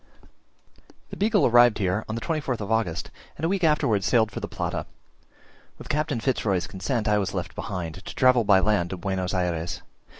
The Beagle arrived here on the 24th of August, and a week afterwards sailed for the Plata. With Captain Fitz Roy's consent I was left behind, to travel by land to Buenos Ayres.